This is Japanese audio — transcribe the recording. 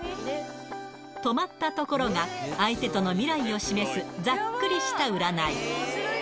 止まったところが相手との未来を示す、ざっくりした占い。